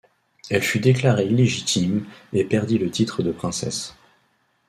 Elle fut déclarée illégitime et perdit le titre de princesse.